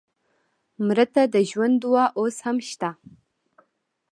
مړه ته د ژوند دعا اوس هم شته